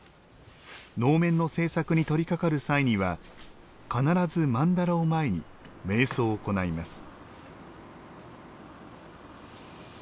能面の制作に取りかかる際には必ず曼荼羅を前にめい想を行います。